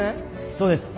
そうです。